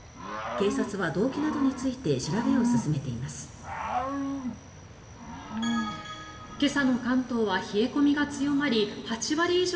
警察は動機などについて調べを進めています。